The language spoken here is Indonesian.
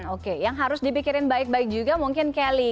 oke yang harus dipikirin baik baik juga mungkin kelly